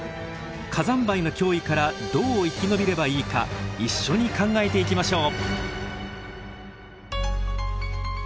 火山灰の脅威からどう生き延びればいいか一緒に考えていきましょう。